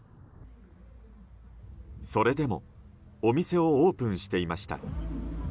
それでも、お店をオープンしていました。